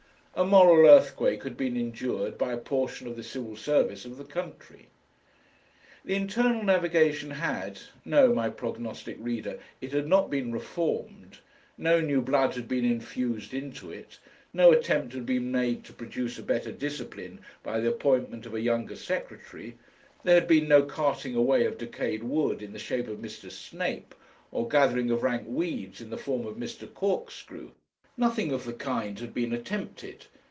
A moral earthquake had been endured by a portion of the Civil Service of the country. The Internal Navigation had No, my prognostic reader, it had not been reformed; no new blood had been infused into it; no attempt had been made to produce a better discipline by the appointment of a younger secretary; there had been no carting away of decayed wood in the shape of Mr. Snape, or gathering of rank weeds in the form of Mr. Corkscrew; nothing of the kind had been attempted.